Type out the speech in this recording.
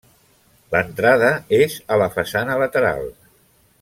L'entrada és a la façana lateral.